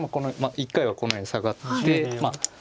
一回はこのようにサガって。